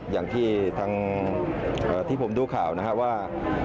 อย่างที่ทางที่ผมดูข่าวนะครับว่า